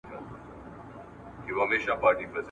ما چي له طلا سره تللې اوس یې نه لرم ..